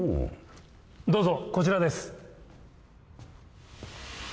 どうぞこちらです。